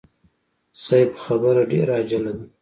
صيب خبره ډېره عاجله ده.